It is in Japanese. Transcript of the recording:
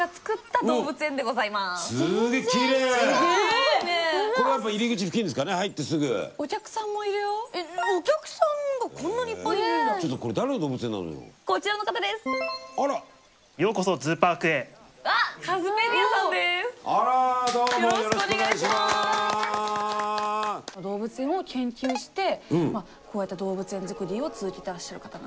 動物園を研究してこうやって動物園作りを続けてらっしゃる方なんですね。